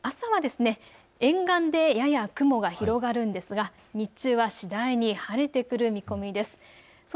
朝は沿岸でやや雲が広がるんですが日中は次第に晴れてくる見込みです。